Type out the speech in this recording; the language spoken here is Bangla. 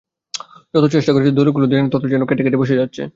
যতই চেষ্টা করছে দড়িগুলো ততই যেন কেটে-কেটে বসে যাচ্ছে।